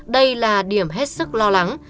đây là điểm hết sức lo lắng